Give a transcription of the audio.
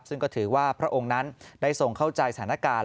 ซึ่งก็ถือว่าพระองค์นั้นได้ทรงเข้าใจสถานการณ์